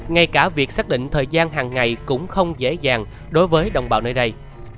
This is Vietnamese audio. ngay cả việc xác định thời gian hàng ngày cũng không dễ dàng đối với đồng bào nơi đây